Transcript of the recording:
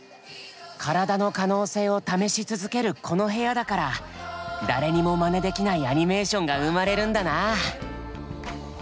体の可能性を試し続けるこの部屋だから誰にもマネできないアニメーションが生まれるんだなあ。